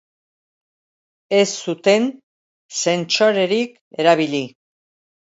Ez zuten sentsorerik erabili.